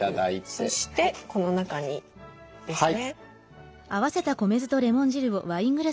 そしてこの中にですね。